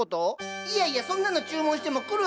いやいやそんなの注文しても来るわけないでしょ？